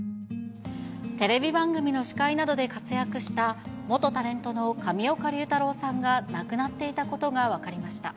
テレビ番組の司会などで活躍した、元タレントの上岡龍太郎さんが亡くなっていたことが分かりました。